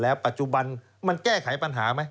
ปัจจุบันมันแก้ไขปัญหาไหม